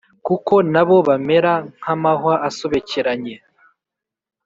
Kuko na bo bamera nk amahwa asobekeranye